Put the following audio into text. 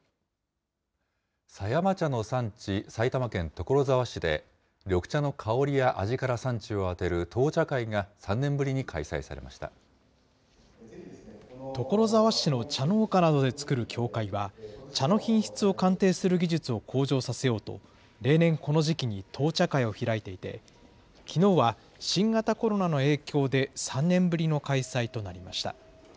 狭山茶の産地、埼玉県所沢市で、緑茶の香りや味から産地を当てる闘茶会が３年ぶりに開催されまし所沢市の茶農家などで作る協会は、茶の品質を鑑定する技術を向上させようと、例年、この時期に闘茶会を開いていて、きのうは新型コロナの影響で３年ぶりの開催となりました。